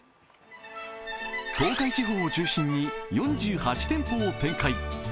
東海地方を中心に４８店舗を展開。